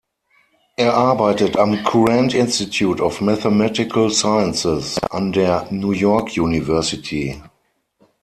Er arbeitet am Courant Institute of Mathematical Sciences an der New York University.